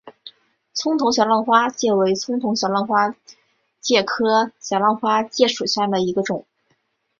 葱头小浪花介为小浪花介科小浪花介属下的一个种。